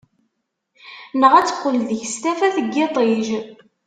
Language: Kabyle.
Neɣ ad teqqel deg-s tafat n yiṭij.